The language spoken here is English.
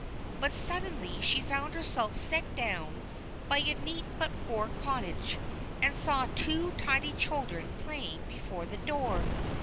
But suddenly she found herself set down by a neat but poor cottage, and saw two tidy children playing before the door.